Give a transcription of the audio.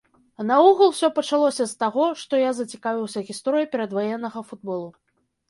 А наогул усё пачалося з таго, што я зацікавіўся гісторыяй перадваеннага футболу.